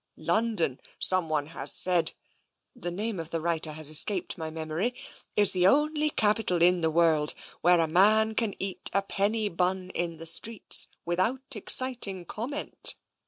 London, someone has said — the name of the writer has es caped my memory — is the only capital in the world where a man can eat a penny bun in the streets without exciting comment.